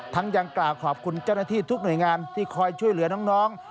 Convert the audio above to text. ยังกล่าวขอบคุณเจ้าหน้าที่ทุกหน่วยงานที่คอยช่วยเหลือน้อง